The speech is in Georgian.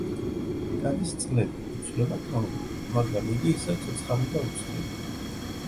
გადის წლები, იცვლება თაობები, მაგრამ იგი ისევ ცოცხალი და უცვლელია.